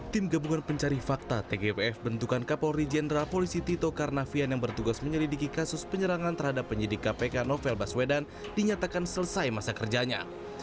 tim gabungan pencari fakta tgpf bentukan kapolri jenderal polisi tito karnavian yang bertugas menyelidiki kasus penyerangan terhadap penyidik kpk novel baswedan dinyatakan selesai masa kerjanya